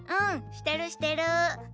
してるしてる。